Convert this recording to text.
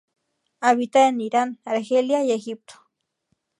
Habita en Irán, Argelia y Egipto.